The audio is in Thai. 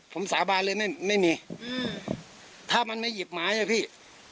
ผมสาบานเลยไม่ไม่มีถ้ามันไม่หยิบไม้อ่ะพี่